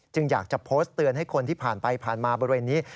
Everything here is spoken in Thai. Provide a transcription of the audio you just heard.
อยากจะโพสต์เตือนให้คนที่ผ่านไปผ่านมาบริเวณนี้